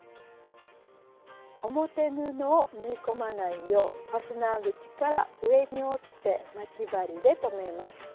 表布を縫い込まないようファスナー口から上に折って待ち針で留めます。